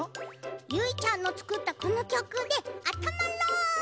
ゆいちゃんのつくったこのきょくであったまろう！